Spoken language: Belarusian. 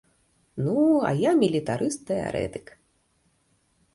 Ну, а я мілітарыст-тэарэтык.